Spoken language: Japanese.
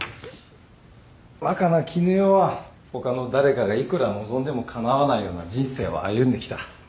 若菜絹代は他の誰かがいくら望んでもかなわないような人生を歩んできた。